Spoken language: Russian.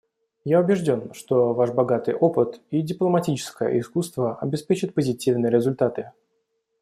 Я убежден, что Ваш богатый опыт и дипломатическое искусство обеспечат позитивные результаты.